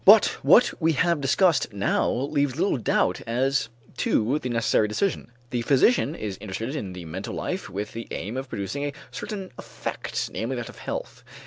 But what we have discussed now leaves little doubt as to the necessary decision. The physician is interested in the mental life with the aim of producing a certain effect, namely, that of health.